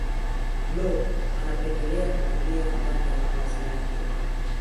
blob anapendelea kutulia ndani ya makazi yake